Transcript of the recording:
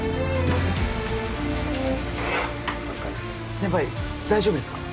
先輩大丈夫ですか？